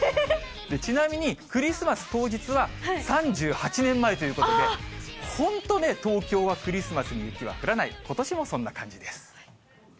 ちなみにクリスマス当日は３８年前ということで、本当ね、東京はクリスマスに雪は降らない、ことしもそんな感じです。